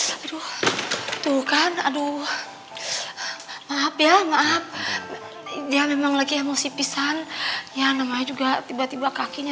aduh tuh kan aduh maaf ya maaf dia memang lagi emosi pisan ya namanya juga tiba tiba kakinya